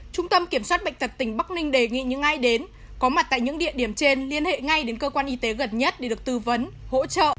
trung tâm kiểm soát bệnh tật tỉnh bắc ninh đề nghị những ai đến có mặt tại những địa điểm trên liên hệ ngay đến cơ quan y tế gần nhất để được tư vấn hỗ trợ